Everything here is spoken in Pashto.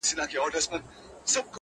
کم کم پيدا شي لکه غر لکه درياب سړی